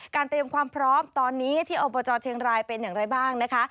เตรียมความพร้อมตอนนี้ที่อบจเชียงรายเป็นอย่างไรบ้างนะคะ